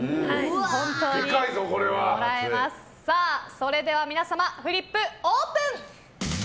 それでは皆様フリップオープン。